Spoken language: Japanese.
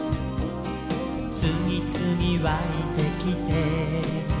「つぎつぎわいてきて」